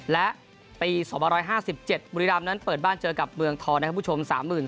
และปี๒๕๗บุรีรามนั้นเปิดบ้านเจอกับเมืองทองนะครับคุณผู้ชม